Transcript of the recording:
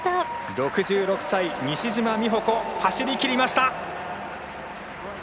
６６歳、西島美保子走りきりました！